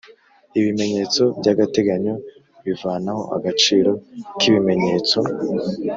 Ibimenyetso by'agateganyo bivanaho agaciro k'ibimenyetso